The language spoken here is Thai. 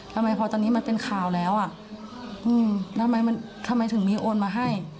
ทำไมพอตอนนี้มันเป็นข่าวแล้วทำไมถึงมีโอนมาให้